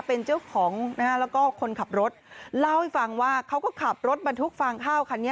เป็นเจ้าของนะฮะแล้วก็คนขับรถเล่าให้ฟังว่าเขาก็ขับรถบรรทุกฟางข้าวคันนี้